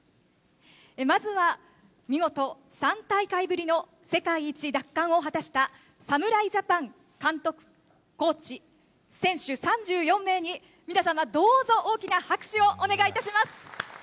まずは見事、３大会ぶりの世界一奪還を果たした、侍ジャパン、監督、コーチ、選手３４名に、皆様どうぞ大きな拍手をお願いいたします。